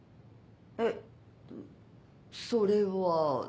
えっそれは。